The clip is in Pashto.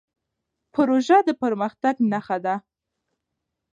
پروژه د پرمختګ نښه ده.